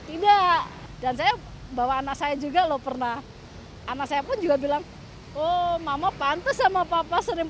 tidak dan saya bawa anak saya juga loh pernah anak saya pun juga bilang oh mama pantes sama papa sering